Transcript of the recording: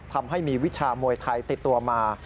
ทำให้มีวิชามวยไทยติดตัวมา